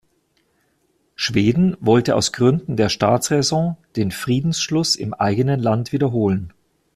Schweden wollte aus Gründen der Staatsraison den Friedensschluss im eigenen Land wiederholen.